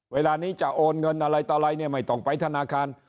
เวลานี้จะโอนเงินอะไรต่อไรเนี่ยไม่ต้องไปธนาคาร